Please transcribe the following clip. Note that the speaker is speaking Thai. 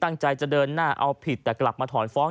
ตั้งใจจะเดินหน้าเอาผิดแต่กลับมาถอนฟ้อง